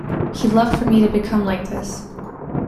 He loved for me to become like this.